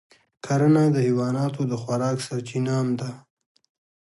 کرنه د حیواناتو د خوراک سرچینه هم ده.